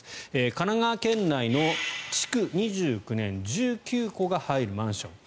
神奈川県内の築２９年１９戸が入るマンション。